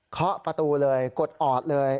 เคาะประตูเลยกดออดเลย